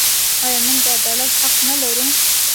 آیا موږ د عدالت حق نلرو؟